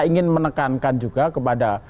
ingin menekankan juga kepada